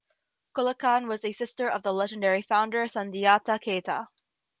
Kolonkan was a sister of the legendary founder Sundiata Keita.